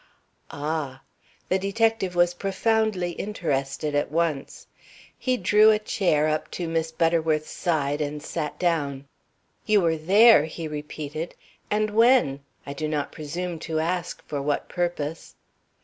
"Ah!" The detective was profoundly interested at once. He drew a chair up to Miss Butterworth's side and sat down. "You were there!" he repeated; "and when? I do not presume to ask for what purpose."